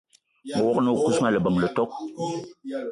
Me wog-na o kousma leben le kot